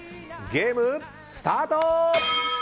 ゲームスタート！